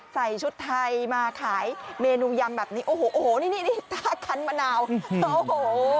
ใส่ชุดไทยมาขายเมนูยำแบบนี้โอ้โหโอ้โหนี่นี่ท่าคันมะนาวโอ้โห